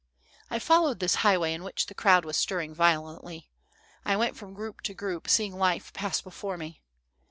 "I followed this highway in which the crowd was stirring violently. I went from group to group, seeing life pass before me.